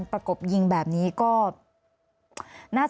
มันเป็นแบบที่สุดท้าย